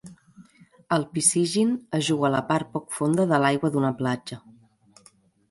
El picigin es juga a la part poc fonda de l'aigua d'una platja.